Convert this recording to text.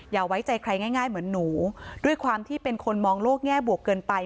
ไว้ใจใครง่ายเหมือนหนูด้วยความที่เป็นคนมองโลกแง่บวกเกินไป